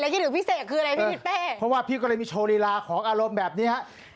คิดถึงพี่เสกคืออะไรพี่ทิศเป้เพราะว่าพี่ก็เลยมีโชว์ลีลาของอารมณ์แบบนี้ฮะ